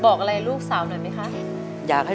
บอกอะไรลูกสาวหน่อยไหมคะ